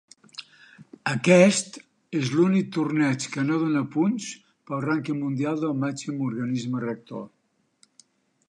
Aquest és l'únic torneig que no dóna punts pel rànquing mundial del màxim organisme rector.